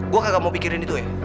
gue kagak mau pikirin itu ya